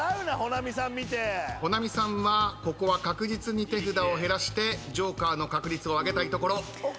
保奈美さんはここは確実に手札を減らしてジョーカーの確率を上げたいところ。